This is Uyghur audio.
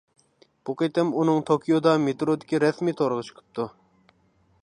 بۇ قېتىم ئۇنىڭ توكيودا مېترودىكى رەسىمى تورغا چىقىپتۇ.